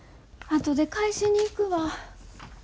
後で返しに行くわ。